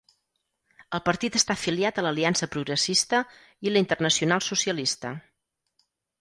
El partit està afiliat a l'Aliança Progressista i la Internacional Socialista.